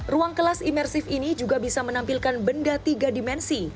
ruang kelas imersif ini juga bisa menampilkan benda tiga dimensi